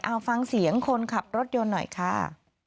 เอาฟังเสียงคนขับรถยนต์หน่อยค่ะ